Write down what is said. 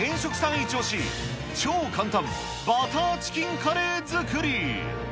一押し、超簡単バターチキンカレー作り。